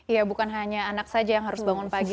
ya bukan hanya anak saja yang harus bangun pagi